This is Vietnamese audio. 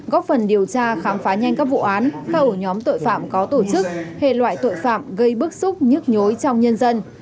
góp phần điều tra khám phá nhanh các vụ án các ổ nhóm tội phạm có tổ chức hệ loại tội phạm gây bức xúc nhức nhối trong nhân dân